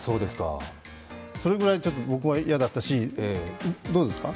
それぐらい僕は嫌だったしどうですか？